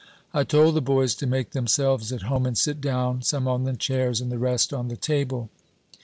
I told the boys to make themselves at home and sit down, some on the chairs and the rest on the table.